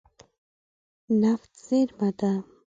نفت زیرمه ده.